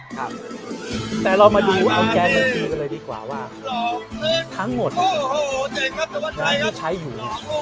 ครับแต่เรามาดูเอาแกร่สังคมกันเลยดีกว่าว่าทั้งหมดย้านที่ใช้อยู่